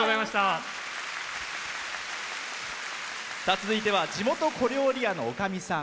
続いては地元小料理屋の、おかみさん。